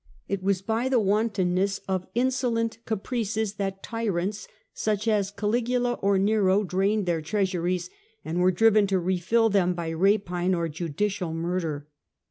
It was by the wantonness of insolent caprices that tyrants such as Caligula or Nero drained their treasuries, and were driven to refill them by rapine or judicial murder.